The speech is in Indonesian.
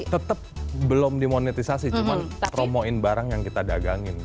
tetap belum dimonetisasi cuma promoin barang yang kita dagangin